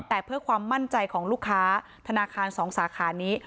แต่เพื่อความมั่นใจของลูกค้าธนาคาร๒สาขานี้